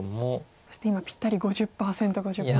そして今ぴったり５０％５０％。